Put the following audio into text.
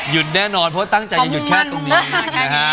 แน่นอนเพราะว่าตั้งใจจะหยุดแค่ตรงนี้นะฮะ